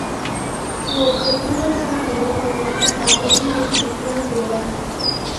Su objetivo es una Europa unida bajo una estructura federal.